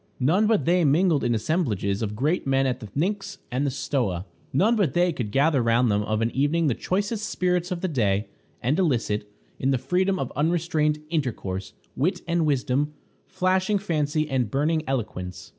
None but they mingled in the assemblages of great men at the Pnyx or the Stoa. None but they could gather round them of an evening the choicest spirits of the day, and elicit, in the freedom of unrestrained intercourse, wit and wisdom, flashing fancy and burning eloquence.